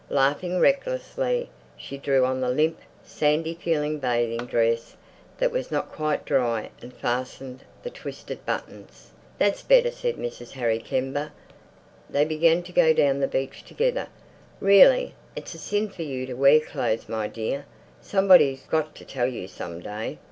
Laughing recklessly, she drew on the limp, sandy feeling bathing dress that was not quite dry and fastened the twisted buttons. "That's better," said Mrs. Harry Kember. They began to go down the beach together. "Really, it's a sin for you to wear clothes, my dear. Somebody's got to tell you some day."